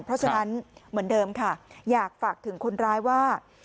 เพราะฉะนั้นเหมือนเดิมค่ะอยากฝากถึงคนร้ายว่า